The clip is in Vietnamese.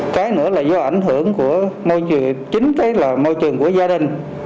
cái nữa là do ảnh hưởng của môi trường chính là môi trường của gia đình